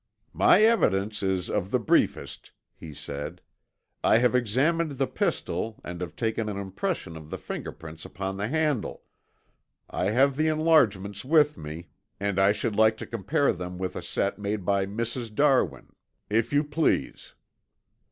"My evidence is of the briefest," he said. "I have examined the pistol and have taken an impression of the finger prints upon the handle. I have the enlargements with me and I should like to compare them with a set made by Mrs. Darwin. If you please."